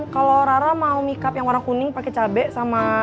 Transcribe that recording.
kalau rara mau mikap yang warna kuning pakai cabai sama